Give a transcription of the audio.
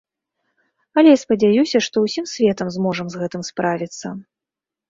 Але я спадзяюся, што ўсім светам зможам з гэтым справіцца.